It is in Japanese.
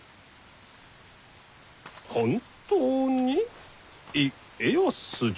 本当に家康じゃ。